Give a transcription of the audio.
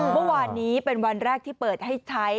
เมื่อวานนี้เป็นวันแรกที่เปิดให้ใช้